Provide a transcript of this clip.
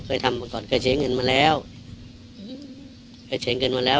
กินโทษส่องแล้วอย่างนี้ก็ได้